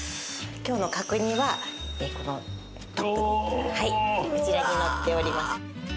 今日の角煮はこのトップにはいこちらに載っております。